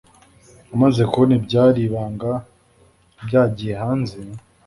Amaze kubona ko ibyari ibanga byagiye hanze